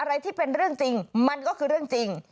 อะไรที่เป็นเรื่องจริงมันก็คือเรื่องจริง